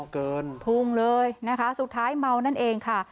เกินพุ่งเลยนะคะสุดท้ายเมานั่นเองค่ะ